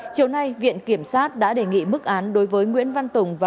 chiều nay viện kiểm sát đã đề nghị mức án đối với nguyễn văn tùng và